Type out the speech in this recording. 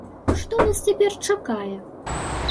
Што нас цяпер чакае?